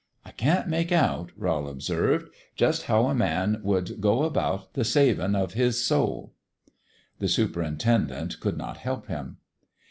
" I can't make out," Rowl observed, " jus 1 how a man would go about the savin' of his soul." The superintendent could not help him.